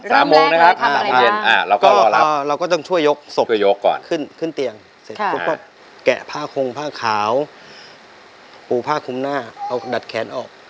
เสร็จปุ๊บก็แกะผ้าคงผ้าขาวปูผ้าคุ้มหน้าเอาดัดแขนออก